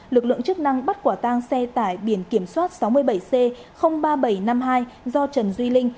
lực lượng chức năng bắt quả tang xe tải biển kiểm soát sáu mươi bảy c ba nghìn bảy trăm năm mươi hai do trần duy linh